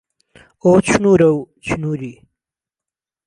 ئۆ چنوورە و چنووری